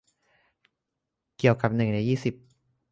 เกี่ยวกับหนึ่งในยี่สิบ